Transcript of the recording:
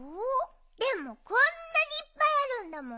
でもこんなにいっぱいあるんだもん。